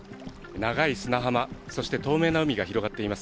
長い砂浜、そして透明な海が広がっています。